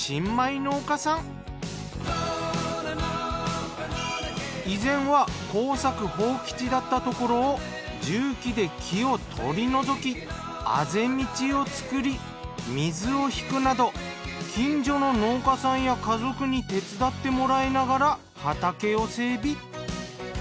竜田さんは以前は耕作放棄地だったところを重機で木を取り除きあぜ道を作り水を引くなど近所の農家さんや家族に手伝ってもらいながら畑を整備。